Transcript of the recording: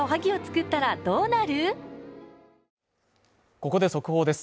ここで速報です。